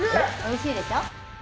おいしいでしょ。